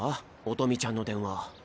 音美ちゃんの電話。